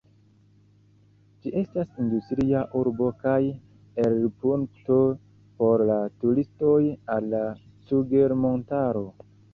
Ĝi estas industria urbo kaj elirpunkto por la turistoj al la Cugir-montaro.